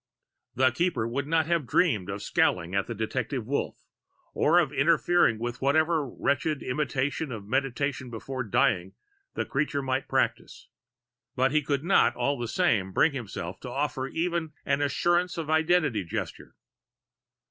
The Keeper would not have dreamed of scowling at the detected Wolf or of interfering with whatever wretched imitation of meditation before dying the creature might practice. But he could not, all the same, bring himself to offer even an assurance of identity gesture.